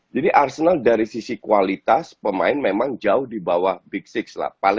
arsenal dari sisi kualitas pemain memang jauh di bawah big enam lah